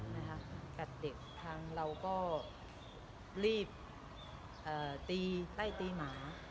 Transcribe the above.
นะคะกัดเด็กทางเราก็รีบตีใต้ตีหมา